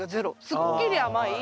すっきり甘い。